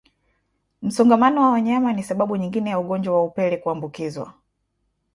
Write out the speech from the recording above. Msongamano wa wanyama ni sababu nyingine ya ugonjwa wa upele kuambukizwa